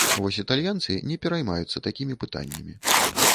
Вось італьянцы не пераймаюцца такімі пытаннямі.